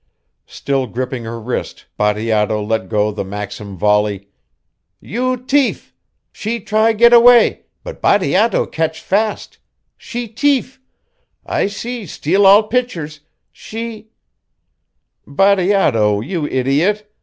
Still gripping her wrist, Bateato let go the Maxim volley: "You tief! She try get away, but Bateato catch fast she tief I see steal all pictures she" "Bateato, you idiot!"